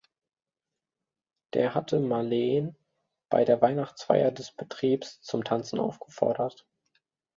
Der hatte Maleen bei der Weihnachtsfeier des Betriebs zum Tanzen aufgefordert.